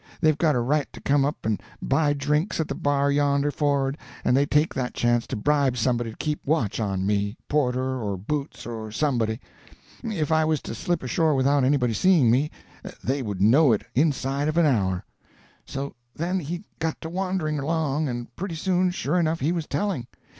They've got a right to come up and buy drinks at the bar yonder forrard, and they take that chance to bribe somebody to keep watch on me—porter or boots or somebody. If I was to slip ashore without anybody seeing me, they would know it inside of an hour." So then he got to wandering along, and pretty soon, sure enough, he was telling!